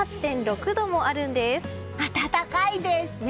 暖かいです！